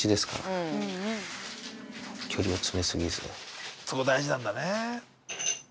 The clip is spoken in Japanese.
そこ大事なんだね。